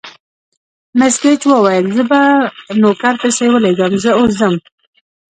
مس ګېج وویل: زه به نوکر پسې ولېږم، زه اوس ځم.